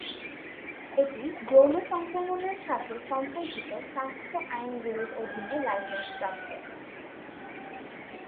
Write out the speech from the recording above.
এটি যৌন সংক্রমণের সাথে সম্পর্কিত স্বাস্থ্য আইনগুলির অধীনে লাইসেন্সপ্রাপ্ত।